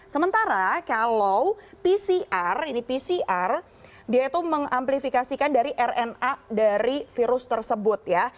sementara kalau pcr ini pcr dia itu mengamplifikasikan dari rna dari virus tersebut ya